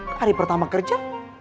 hari pertama kerja